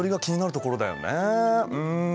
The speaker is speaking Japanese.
うん。